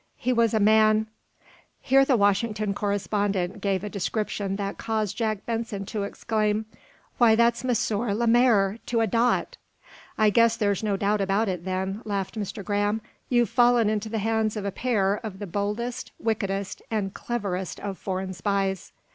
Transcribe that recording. He was a man " Here the Washington correspondent gave a description that caused Jack Benson to exclaim: "Why, that's M. Lemaire, to a dot!" "I guess there's no doubt about it, then," laughed Mr. Graham. "You've fallen into the hands of a pair of the boldest, wickedest and cleverest of foreign spies."